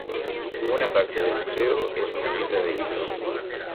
Una parte del museo es una tienda de libro.